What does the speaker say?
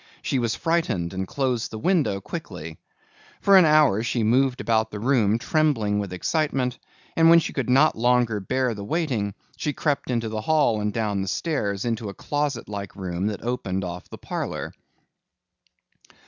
She was frightened and closed the window quickly. For an hour she moved about the room trembling with excitement and when she could not longer bear the waiting, she crept into the hall and down the stairs into a closet like room that opened off the parlor.